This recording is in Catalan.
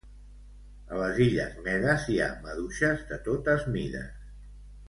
A les illes Medes i ha maduixes de totes mides.